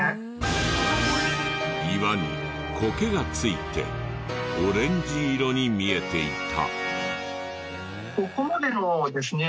岩にコケがついてオレンジ色に見えていた。